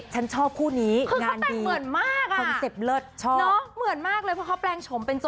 ทั้งสีผมที่เหลือม่าน